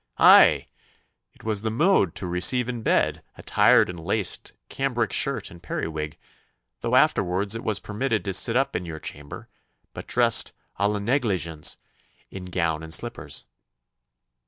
'Aye! it was the mode to receive in bed, attired in laced cambric shirt and periwig, though afterwards it was permitted to sit up in your chamber, but dressed a la negligence, in gown and slippers.